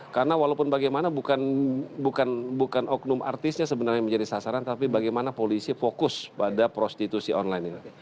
karena walaupun bagaimana bukan oknum artisnya sebenarnya menjadi sasaran tapi bagaimana polisi fokus pada prostitusi online ini